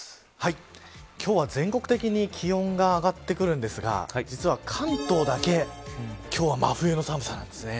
今日は、全国的に気温が上がってくるんですが実は関東だけ今日は真冬の寒さなんです。